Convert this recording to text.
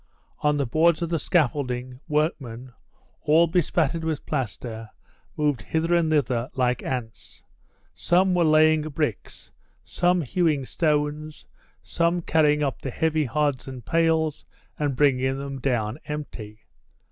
On the boards of the scaffolding workmen, all bespattered with plaster, moved hither and thither like ants. Some were laying bricks, some hewing stones, some carrying up the heavy hods and pails and bringing them down empty.